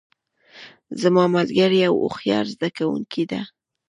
زما ملګری یو هوښیار زده کوونکی ده